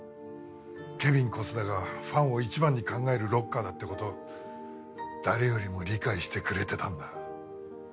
ケビン小須田がファンを一番に考えるロッカーだって事誰よりも理解してくれてたんだ。